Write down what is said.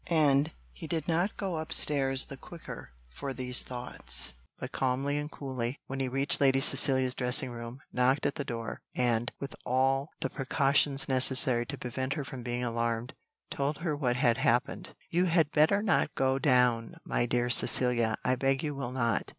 And he did not go upstairs the quicker for these thoughts, but calmly and coolly, when he reached Lady Cecilia's dressing room, knocked at the door, and, with all the precautions necessary to prevent her from being alarmed, told her what had happened. "You had better not go down, my dear Cecilia, I beg you will not.